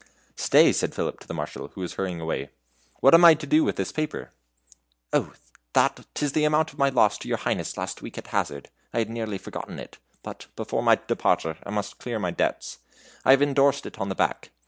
"Stay!" said Philip to the Marshal, who was hurrying away, "what am I to do with this paper?" "Oh, that, 'tis the amount of my loss to your Highness last week at hazard. I had nearly forgotten it; but before my departure, I must clear my debts. I have indorsed it on the back."